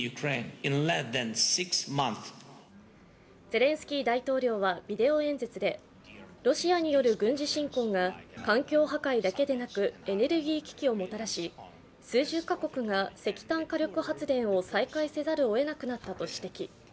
ゼレンスキー大統領はビデオ演説でロシアによる軍事侵攻が環境破壊だけでなくエネルギー危機をもたらし、数十か国が石炭火力発電を再開せざるを得なくなったと指摘。